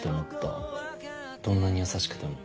どんなに優しくても。